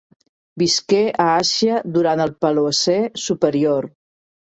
Visqué a Àsia durant el Paleocè superior.